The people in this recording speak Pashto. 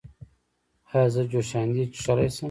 ایا زه جوشاندې څښلی شم؟